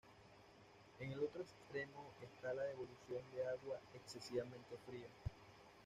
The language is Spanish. En el otro extremo está la devolución de agua excesivamente fría.